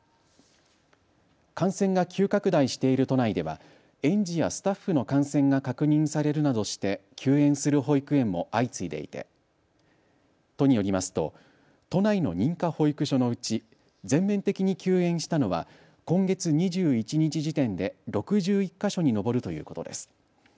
感染が急拡大している都内では園児やスタッフの感染が確認されるなどして休園する保育園も相次いでいて都によりますと都内の認可保育所のうち全面的に休園したのは今月２１日時点で６１か所に上るということです。